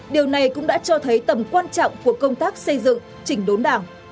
điều này cũng đã cho thấy tầm quan trọng của công tác xây dựng chỉnh đốn đảng